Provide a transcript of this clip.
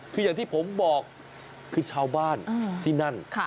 คืออย่างที่ผมบอกคือชาวบ้านที่นั่น